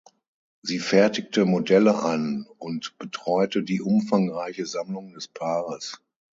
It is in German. Sie fertigte Modelle an und betreute die umfangreiche Sammlung des Paares.